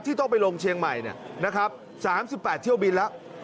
ที่ต้องไปลงเชียงใหม่เนี่ยนะครับสามสิบแปดเที่ยวบินแล้ว